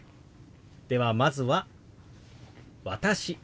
ではまずは「私」。